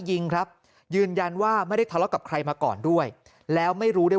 ยิงครับยืนยันว่าไม่ได้ทะเลาะกับใครมาก่อนด้วยแล้วไม่รู้ด้วย